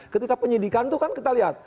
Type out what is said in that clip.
ketika penyidikan itu kan kita lihat